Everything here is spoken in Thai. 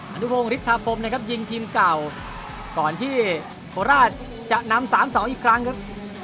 นุพงศ์ฤทธาคมนะครับยิงทีมเก่าก่อนที่โคราชจะนำ๓๒อีกครั้งครับ